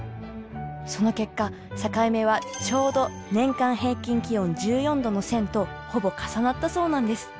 その結果境目はちょうど年間平均気温１４度の線とほぼ重なったそうなんです。